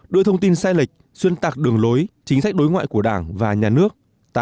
đưa thông tin sai lệch xuyên tạc đường lối chính sách đối ngoại của đảng và nhà nước